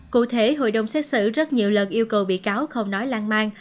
cụ thể hội đồng xét xử rất nhiều lần yêu cầu bị cáo không nói lan mang